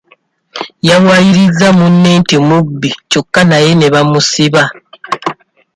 Yawaayiriza munne nti mubbi kyokka naye ne bamusiba.